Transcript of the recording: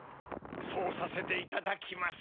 そうさせていただきます。